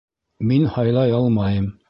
Мин һайлай алмайым.